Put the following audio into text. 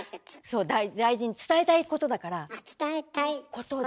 そう大事にあ伝えたいことだから。